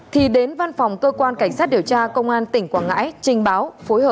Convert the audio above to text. thì đến văn phòng cơ quan cảnh sát điều tra công an tỉnh quảng ngãi trình báo